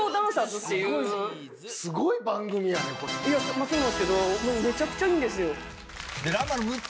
そうなんですけどめちゃくちゃいいんですよ。